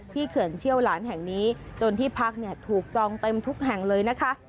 เขื่อนเชี่ยวหลานแห่งนี้จนที่พักถูกจองเต็มทุกแห่งเลยนะคะ